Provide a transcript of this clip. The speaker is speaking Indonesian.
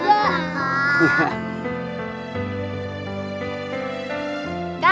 aku juga kak